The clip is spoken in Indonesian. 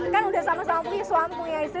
kan sudah sama sama punya suami punya istri